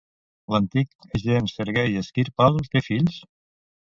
L'antic agent Sergei Skirpal té fills?